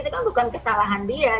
itu kan bukan kesalahan dia